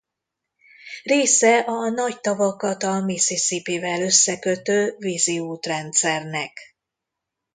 Része a Nagy-tavakat a Mississippivel összekötő víziút-rendszernek.